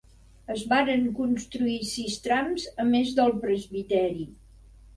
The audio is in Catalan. Es varen construir sis trams, a més del presbiteri.